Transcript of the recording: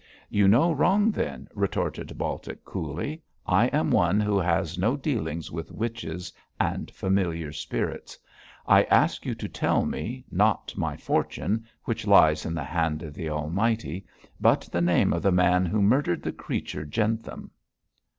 'You know wrong then!' retorted Baltic, coolly. 'I am one who has no dealings with witches and familiar spirits. I ask you to tell me, not my fortune which lies in the hand of the Almighty but the name of the man who murdered the creature Jentham.'